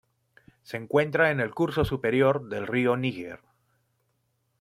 Se encuentra en el curso superior del río Níger.